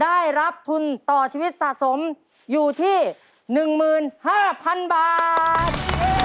ได้รับทุนต่อชีวิตสะสมอยู่ที่๑๕๐๐๐บาท